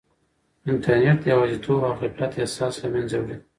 انټرنیټ د یوازیتوب او غفلت احساس له منځه وړي.